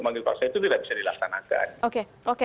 memanggil paksa itu tidak bisa dilaksanakan oke oke